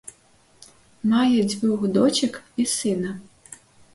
Мае дзвюх дочак і сына.